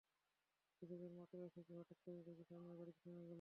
কিছু দূর মাত্র এসেছি, হঠাৎ করেই দেখি সামনের গাড়িটি থেমে গেল।